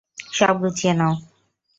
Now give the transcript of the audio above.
সব গুছিয়ে নাও।